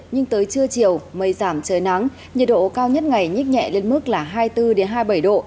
nhưng tới trưa chiều mây giảm trời nắng nhiệt độ cao nhất ngày nhích nhẹ lên mức là hai mươi bốn hai mươi bảy độ